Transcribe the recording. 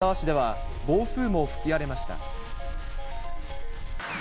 金沢市では暴風も吹き荒れました。